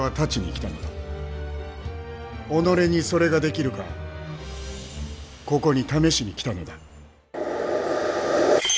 己にそれができるかここに試しに来たのだ。